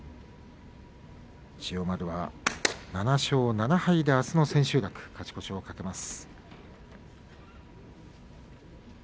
千代丸は７勝７敗であすの千秋楽勝ち越しを懸けます。